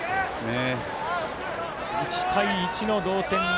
１対１の同点。